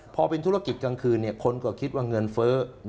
พอเป็นธุรกิจกลางคืนคนก็คิดว่าเงินเฟ้อ